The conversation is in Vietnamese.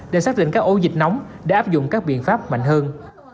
để xác định các ổ dịch nóng để áp dụng các biện pháp mạnh hơn